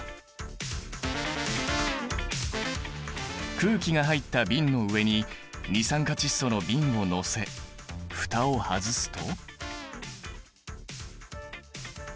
空気が入った瓶の上に二酸化窒素の瓶をのせ蓋を外すと？